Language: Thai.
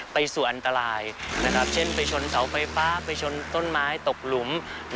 ไปสู่อันตรายเช่นไปชนเสาไฟฟ้าไปชนต้นไม้ตกหลุม